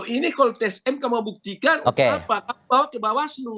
ini kalau tsm mau membuktikan apa bawa ke bawaslu